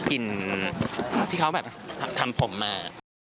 กลิ่นที่เขาแบบทำผมมา